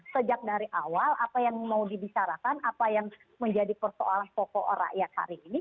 sejak dari awal apa yang mau dibicarakan apa yang menjadi persoalan pokok rakyat hari ini